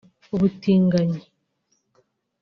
ubutinganyi